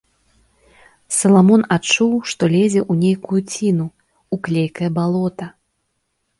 Саламон адчуў, што лезе ў нейкую ціну, у клейкае балота.